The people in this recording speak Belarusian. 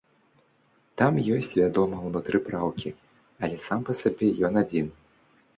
Там ёсць, вядома, унутры праўкі, але сам па сабе ён адзін.